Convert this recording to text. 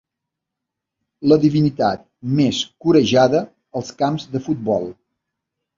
La divinitat més corejada als camps de futbol.